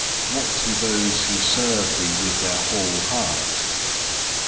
What to those who serve Thee with their whole heart?